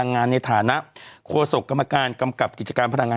งานในฐานะโฆษกกรรมการกำกับกิจการพลังงาน